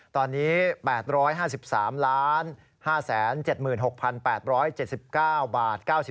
ตอนนี้๘๕๓๕๗๖๘๗๙บาท